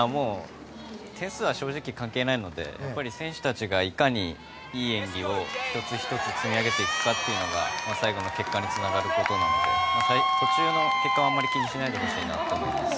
点数は正直関係ないので選手たちがいかにいい演技を１つ１つ積み上げていくかというのが最後の結果につながることなので途中の結果は、あまり気にしないでほしいと思います。